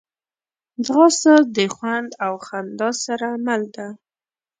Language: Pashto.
ځغاسته د خوند او خندا سره مل ده